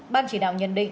ban chỉ đạo nhận định